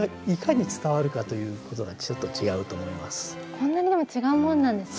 こんなにでも違うもんなんですね。